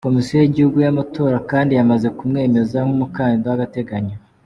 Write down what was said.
Komisiyo y’Igihugu y’Amatora kandi yamaze kumwemeza nk’umukandida w’agateganyo.